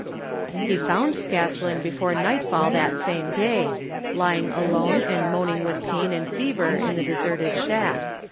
He found Scathlin before nightfall that same day, lying alone and moaning with pain and fever in the deserted shack.